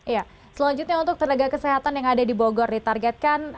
ya selanjutnya untuk tenaga kesehatan yang ada di bogor ditargetkan